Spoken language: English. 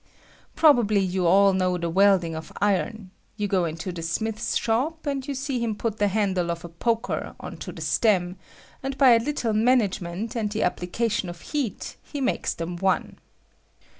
Probably yoa all know of the welding of iron ; yoa go into the smith's shop, and you see him put the handle of a poker on to the stem, and hy a Uttle management and the apphcation of heat he makes them one.